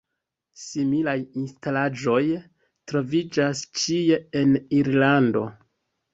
Similaj instalaĵoj troviĝas ĉie en Irlando.